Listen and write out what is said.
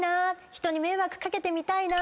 人に迷惑掛けてみたいな。